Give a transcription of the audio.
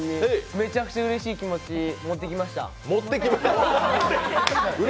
めちゃくちゃうれしい気持ち持ってきました。